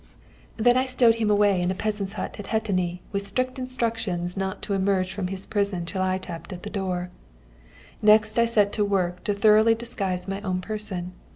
"Then I stowed him away in a peasant's hut at Hetény, with strict instructions not to emerge from his prison till I tapped at the door. Next I set to work to thoroughly disguise my own person.